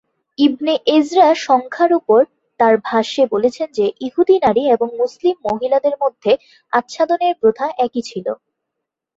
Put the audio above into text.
ইবনে Ezra সংখ্যার উপর তার ভাষ্যে বলেছেন যে, ইহুদি নারী এবং মুসলিম মহিলাদের মধ্যে আচ্ছাদনের প্রথা একই ছিল।